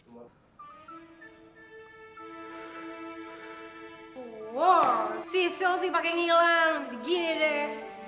wow sisil sih pake ngilang jadi gini deh